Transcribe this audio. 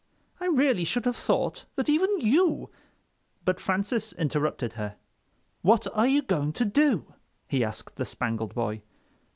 "I really should have thought that even you—" But Francis interrupted her. "What are you going to do?" he asked the Spangled Boy.